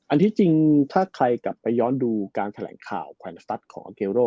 อันนี้จริงถ้าใครกลับไปย้อนดูการแถลงข่าวแขวนสตัสของอาเกโร